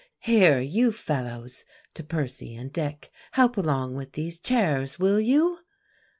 Here, you fellows," to Percy and Dick, "help along with these chairs, will you?"